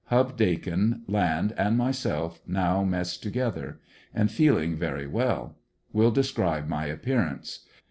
Hub Dakin, Land and myself now mess together. Am feeling very well. Will describe my appearance.